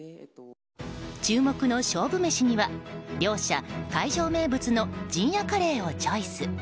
注目の勝負メシには両者、会場名物の陣屋カレーをチョイス。